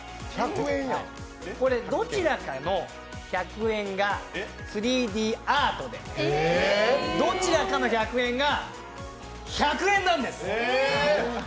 これどちらかの１００が３Ｄアートで、どちらかの１００円が１００円なんです。